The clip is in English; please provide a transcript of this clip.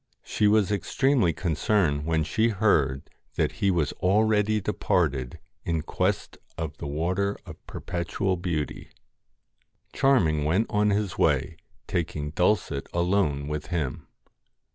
She was extremely concerned when she heard that he was already departed in quest of the Water of Perpetual Beauty. Charming went on his way taking Dulcet alone with him.